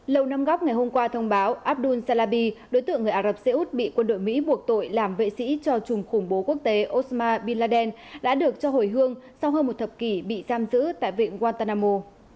lầu năm góc ngày hôm qua thông báo abdul salabi đối tượng người ả rập xê út bị quân đội mỹ buộc tội làm vệ sĩ cho trùng khủng bố quốc tế osmar bin laden đã được cho hồi hương sau hơn một thập kỷ bị giam giữ tại viện guantanamo